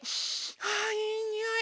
あいいにおい！